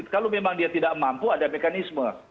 kalau memang dia tidak mampu ada mekanisme